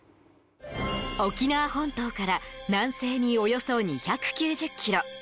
沖縄本島から南西におよそ２９０ｋｍ。